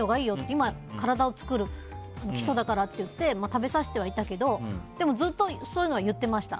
今、体を作る基礎だからと言って食べさせていたけどでも、ずっとそういうのは言っていました。